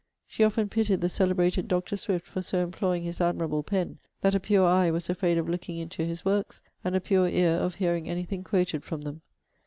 She often pitied the celebrated Dr. Swift for so employing his admirable pen, that a pure eye was afraid of looking into his works, and a pure ear of hearing any thing quoted from them.